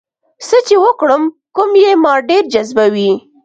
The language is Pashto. څه چې وکړم کوم یې ما ډېر جذبوي؟